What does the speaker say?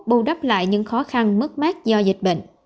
bù đắp lại những khó khăn mất mát do dịch bệnh